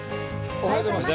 おはようございます。